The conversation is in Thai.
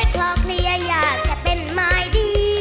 เพราะเคลียร์อยากจะเป็นไมค์ดี้